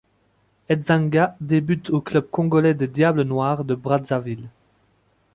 Endzanga débute au club congolais des Diables noirs de Brazzaville.